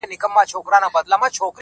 o ښه مه کوه، بد به نه در رسېږي٫